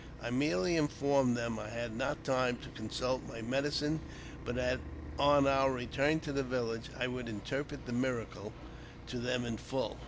I merely informed them that I had noti time to consult my medicine, but that on our return to th© village I v^ould interpret the miracle to them in full.